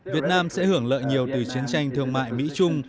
việt nam sẽ hưởng lợi nhiều từ chiến tranh thương mại mỹ trung